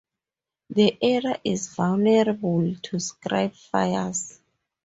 The area is vulnerable to scrub fires.